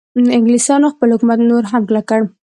انګلیسانو خپل حکومت نور هم کلک کړ.